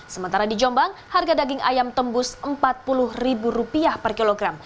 sementara di jombang harga daging ayam tembus rp empat puluh per kilogram